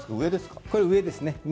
これ、上ですね。